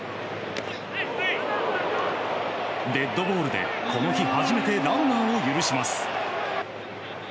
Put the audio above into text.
デッドボールでこの日初めてランナーを許します。